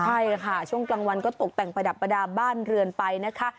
ใช่ค่ะช่วงกลางวันก็ตกแต่งประดับประดาษบ้านเรือนไปนะคะ